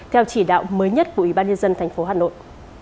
theo chỉ đạo mới nhất của ủy ban nhân dân tp hà nội